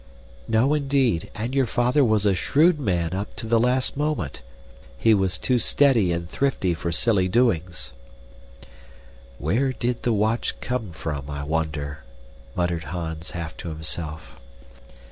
"No, indeed, and your father was a shrewd man up to the last moment. He was too steady and thrifty for silly doings." "Where did the watch come from, I wonder," muttered Hans, half to himself.